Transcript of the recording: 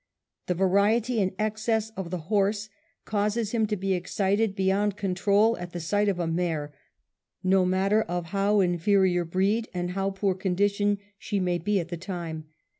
The variety and excess of the horse causes him to be excited beyond control at the sight of a mare, no matter of how inferior breed and how poor condition she may be in at the time.